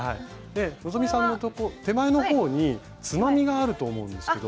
希さんの手前の方につまみがあると思うんですけど。